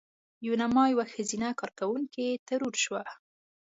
یوناما یوه ښځینه کارکوونکې ترور شوه.